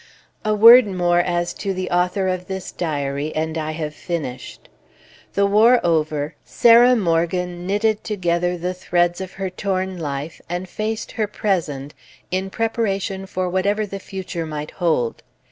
A word more as to the author of this Diary, and I have finished. The war over, Sarah Morgan knitted together the threads of her torn life and faced her present, in preparation for whatever the future might hold.